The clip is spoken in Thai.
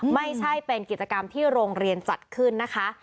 ไม่ใช่เป็นกิจกรรมที่โรงเรียนจัดขึ้นนะคะ